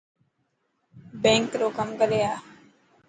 بينڪ رو ڪم ڪري آءِ.